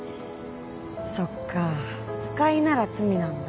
そっか不快なら罪なんだ。